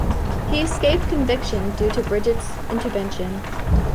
He escaped conviction due to Bridget's intervention.